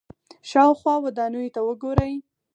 شاوخوا ودانیو ته وګورئ.